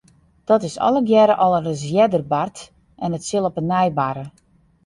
Dat is allegearre al ris earder bard en it sil op 'e nij barre.